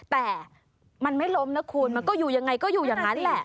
แต่มันไม่ล้มนะคุณมันก็อยู่ยังไงก็อยู่อย่างนั้นแหละ